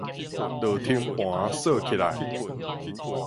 落停盤鎖起來